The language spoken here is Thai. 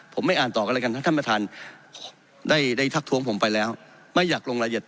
ผมไม่อ่านต่อกันอะไรกันท่านมัฐานได้ทักท้วงผมไปแล้วไม่อยากลงละเอียด